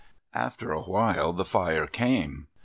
After a while the fire came.